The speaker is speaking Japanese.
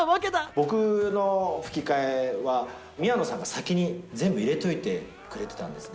僕の吹き替えは、宮野さんが先に全部入れといてくれてたんですね。